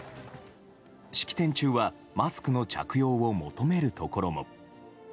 式典中はマスクの着用を求めるところも。